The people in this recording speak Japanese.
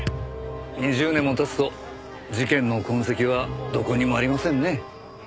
２０年も経つと事件の痕跡はどこにもありませんね。